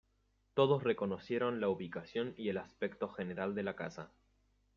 Todos reconocieron la ubicación y el aspecto general de la casa.